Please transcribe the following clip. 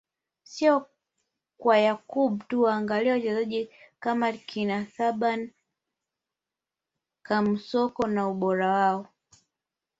Sio kwa Yakub tu waangalie wachezaji kama kina Thaban Kamusoko na ubora wao